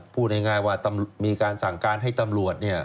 พูดง่ายว่ามีการสั่งการให้ตำรวจเนี่ย